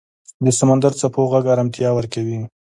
د سمندر څپو غږ آرامتیا ورکوي.